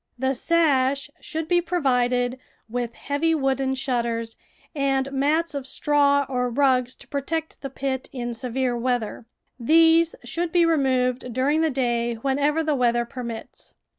The sash should be provided with heavy wooden shutters and mats of straw or rugs to protect the pit in severe weather; these should be removed during the day whenever the weather permits.